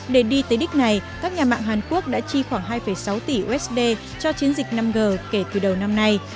để đi tới đích này các nhà mạng hàn quốc đã chi khoảng hai sáu tỷ usd cho chiến dịch năm g kể từ đầu năm nay